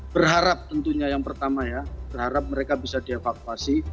berharap tentunya yang pertama ya berharap mereka bisa dievakuasi